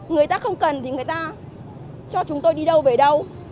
người ta không cần thì người ta cho chúng tôi đi đâu về đâu